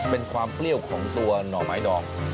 เป็นความเปรี้ยวของตัวหน่อไม้ดอง